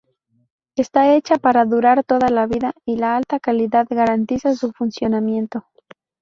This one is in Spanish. Está hecha para durar toda la vida y la alta calidad garantiza su funcionamiento.